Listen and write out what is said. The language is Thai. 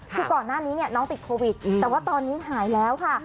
คือก่อนหน้านี้เนี่ยน้องติดโควิดแต่ว่าตอนนี้หายแล้วค่ะ